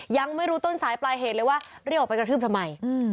ยังไม่รู้ต้นสายปลายเหตุเลยว่าเรียกออกไปกระทืบทำไม